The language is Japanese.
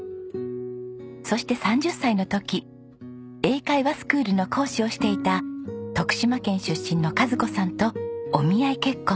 そして３０歳の時英会話スクールの講師をしていた徳島県出身の賀津子さんとお見合い結婚。